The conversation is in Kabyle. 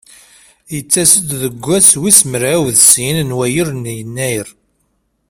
Yettas-d deg wass wis mraw d sin n wayyur n Yennayer.